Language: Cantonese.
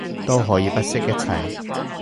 都可以不惜一切